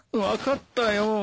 分かったよ。